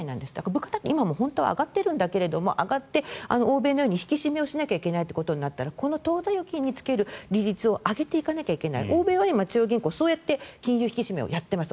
物価、今本当は上がってるんだけど上がって、欧米のように引き締めをしなきゃいけないとなったら当座預金につける利率を上げていかなきゃいけない欧米はそうやって金融引き締めをやってます。